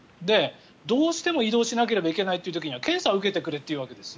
どうしても移動しなければいけないという時には検査を受けてくれと言うわけです。